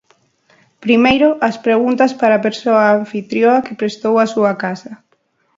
Primeiro, as preguntas para a persoa anfitrioa que prestou a súa casa.